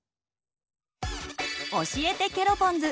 教えてケロポンズ！